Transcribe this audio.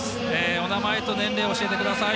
お名前と年齢教えてください。